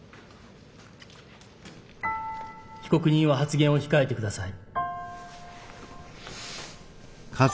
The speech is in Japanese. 被告人は発言を控えて下さい。